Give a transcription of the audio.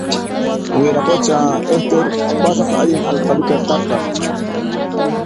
Wiraqucha Hector pasaq allin alcaldeqa karqan